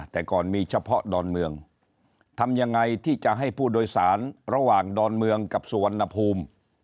แต่ก่อนมีเฉพาะดอนเมืองทำยังไงที่จะให้ผู้โดยสารระหว่างดอนเมืองกับสุวรรณภูมิ